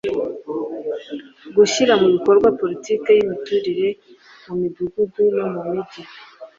gushyira mu bikorwa politiki y' imiturire mu midugudu no mu mijyi